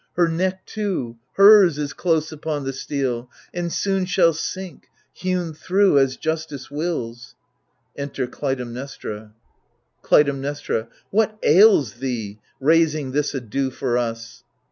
Her neck too, hers, is close upon the steel, And soon shall sink, hewn thro' as justice wills. [Enter Clytemnestra, Clytemnestra Wliat ails thee, raising this ado for us